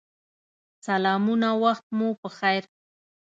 سلامونه وخت مو پخیر